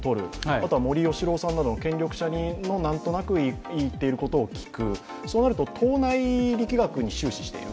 あとは森喜朗さんなどの権力者のなんとなく言っていることを聞くそうなると、党内力学に終始している。